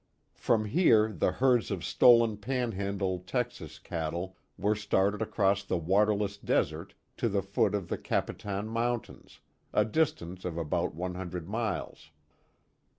From here the herds of stolen Panhandle, Texas, cattle were started across the waterless desert to the foot of the Capitan mountains, a distance of about one hundred miles.